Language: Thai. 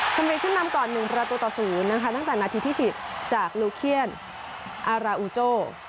บุรีขึ้นนำก่อน๑ประตูต่อ๐นะคะตั้งแต่นาทีที่๑๐จากลูเคียนอาราอูโจ